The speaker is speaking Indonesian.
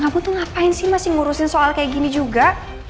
aku tuh ngapain sih masih ngurusin soal kayak gini juga